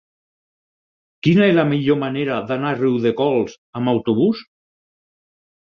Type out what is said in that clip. Quina és la millor manera d'anar a Riudecols amb autobús?